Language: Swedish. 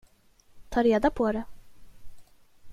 Ta reda på det!